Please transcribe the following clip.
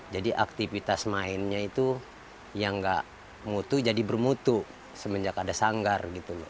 jadi aktivitas mainnya itu yang enggak mutu jadi bermutu semenjak ada sanggar